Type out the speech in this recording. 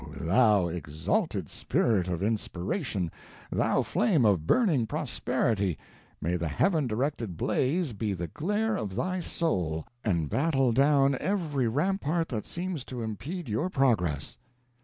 thou exalted spirit of inspiration thou flame of burning prosperity, may the Heaven directed blaze be the glare of thy soul, and battle down every rampart that seems to impede your progress!"